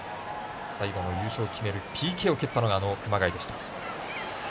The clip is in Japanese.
最後の優勝を決めるＰＫを蹴ったのが熊谷でした。